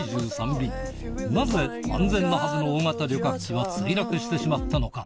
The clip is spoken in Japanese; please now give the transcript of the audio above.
便なぜ安全なはずの大型旅客機は墜落してしまったのか？